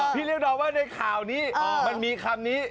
เรียกดอมว่าในข่าวนี้มันมีคำนี้